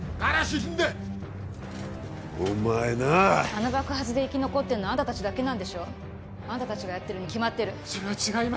あの爆発で生き残ってんのはあんた達だけなんでしょあんた達がやってるに決まってるそれは違います